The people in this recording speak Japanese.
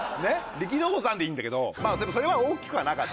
力道山でいいんだけどでもそれは大きくはなかった。